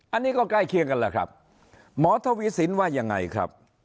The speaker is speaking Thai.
อันนี้ก็ใกล้เคียงกันแหละครับหมอทวีสินว่ายังไงครับ